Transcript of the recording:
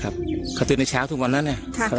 ครับเขาตื่นในเช้าทุกวันนั้นเนี่ย